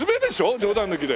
冗談抜きで。